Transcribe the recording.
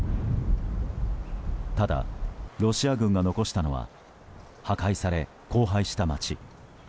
ただ、ロシア軍が残したのは破壊され荒廃した街。